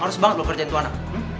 harus banget lo kerjain tuanak